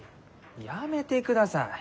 やめてください！